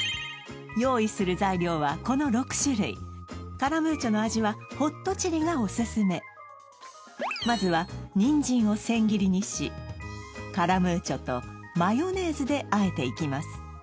用意する材料はこの６種類カラムーチョの味はホットチリがおすすめまずはニンジンを千切りにしカラムーチョとマヨネーズであえていきます